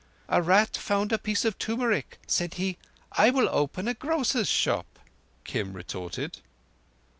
"A rat found a piece of turmeric. Said he: 'I will open a grocer's shop,'" Kim retorted.